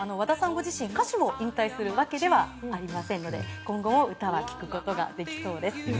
ご自身は歌手も引退するわけではありませんので今後も歌は聴くことができそうです。